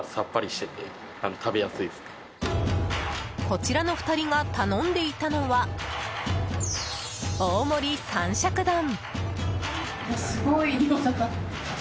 こちらの２人が頼んでいたのは大盛り三色丼。